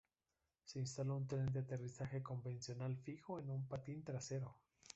Se instaló un tren de aterrizaje convencional fijo con un patín trasero.